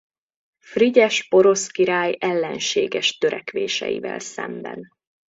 Frigyes porosz király ellenséges törekvéseivel szemben.